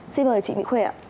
xin mời chị mỹ khê ạ